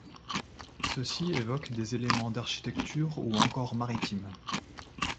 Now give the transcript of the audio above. Ceux-ci évoquent des éléments d'architecture ou encore maritimes.